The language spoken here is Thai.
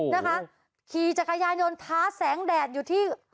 นะคะขี่จักรยานยนต์ท้าแสงแดดอยู่ที่